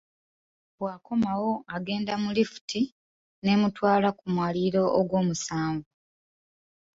Bw'akomawo agenda mu lifuti n'emutwala ku mwaliiro ogwomusanvu.